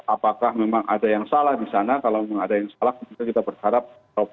apakah memang ada yang salah di sana kalau memang ada yang salah kita berharap